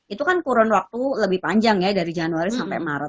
itu kan kurun waktu lebih panjang ya dari januari sampai maret